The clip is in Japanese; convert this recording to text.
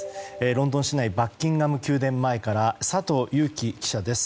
ロンドン市内のバッキンガム宮殿前から佐藤裕樹記者です。